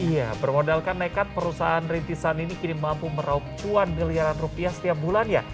iya bermodalkan mereka perusahaan rintisan ini kini mampu meraup cuan beliaran rupiah setiap bulan ya